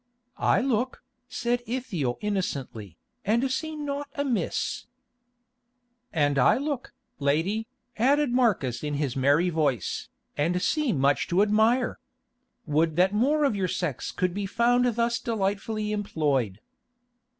"I look," said Ithiel innocently, "and see naught amiss." "And I look, lady," added Marcus in his merry voice, "and see much to admire. Would that more of your sex could be found thus delightfully employed."